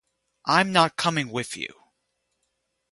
I'm not coming with you.